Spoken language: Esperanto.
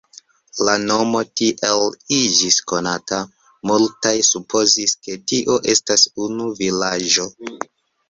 La nomo tiel iĝis konata, multaj supozis, ke tio estas unu vilaĝo.